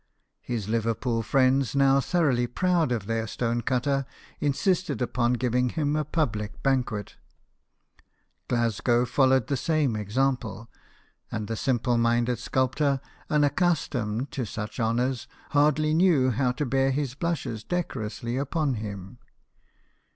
His Liverpool friends, now thoroughly proud of their stone cutter, insisted upon giving him a public banquet. Glasgow followed the same example ; and the simple minded sculptor, un accustomed to such honours, hardly knew how to bear his blushes decorously upon him.